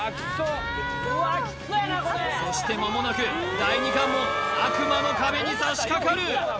そしてまもなく第二関門悪魔の壁にさしかかる